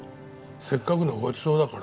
せっかくのごちそうだから。